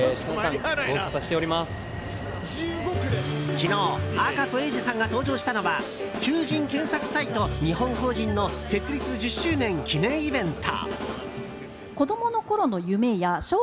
昨日、赤楚衛二さんが登場したのは求人検索サイト日本法人の設立１０周年記念イベント。